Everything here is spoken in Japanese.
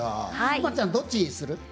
駒ちゃんどっちにする？